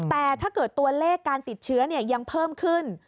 แต่ถ้าเกิดตัวเลขการติดเชื้อยังเพิ่มขึ้น